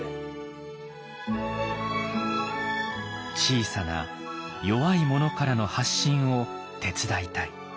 小さな弱い者からの発信を手伝いたい。